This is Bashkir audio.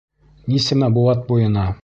Нисәмә быуат буйына